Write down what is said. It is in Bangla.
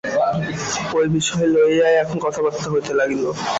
ঐ বিষয় লইয়াই এখন কথাবার্তা হইতে লাগিল।